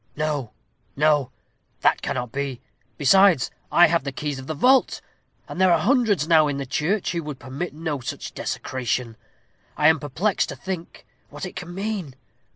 No, no; that cannot be. Besides, I have the keys of the vault; and there are hundreds now in the church who would permit no such desecration. I am perplexed to think what it can mean.